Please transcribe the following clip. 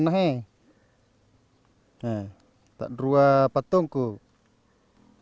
ini di bawah petani